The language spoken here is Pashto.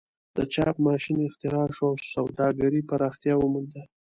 د چاپ ماشین اختراع شو او سوداګري پراختیا ومونده.